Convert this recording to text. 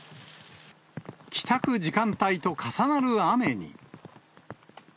帰宅時間帯と重なる雨に。